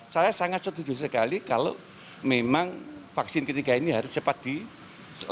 saya sangat setuju sekali kalau memang vaksin ketiga ini harus cepat dilakukan